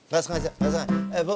biasanya eh bu